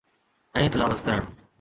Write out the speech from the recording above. ۽ تلاوت ڪرڻ.